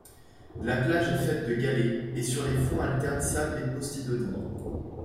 La plage est faite de galets et sur les fonds alternent sable et posidonie.